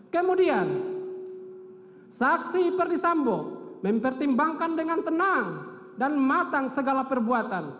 kemudian saksi perdisambo mempertimbangkan dengan tenang dan matang segala perbuatan